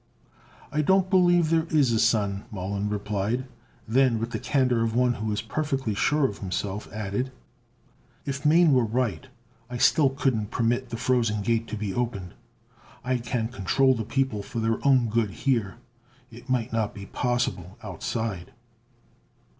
"I don't believe there is a 'Sun'," Mollon replied; then, with the candor of one who is perfectly sure of himself, added: "If Mane were right, I still couldn't permit the Frozen Gate to be opened. I can control the people for their own good, here; it might not be possible Outside."